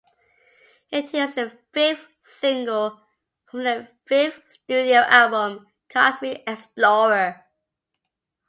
It is the fifth single from their fifth studio album "Cosmic Explorer".